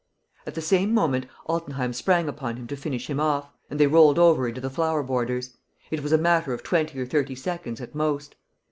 At the same moment Altenheim sprang upon him to finish him off; and they rolled over into the flower borders. It was a matter of twenty or thirty seconds at most.